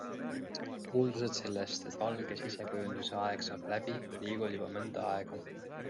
Kuuldused sellest, et valge sisekujunduse aeg saab läbi, liiguvad juba mõnda aega.